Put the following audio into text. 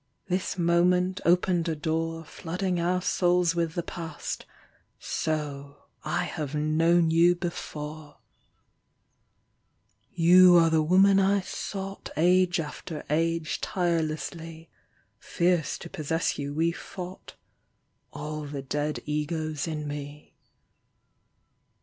This moment opened a door Flooding our souls with the Past : So — I have known you before ! You are the woman I sought Age after age tirelessly ; Fierce to possess you we fought — All the dead egos in me.